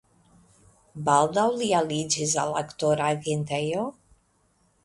Baldaŭ li aliĝis al aktora agentejo.